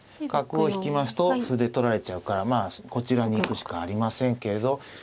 角を引きますと歩で取られちゃうからまあこちらに行くしかありませんけど。